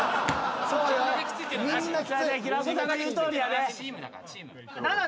平子さんが言うとおりやで。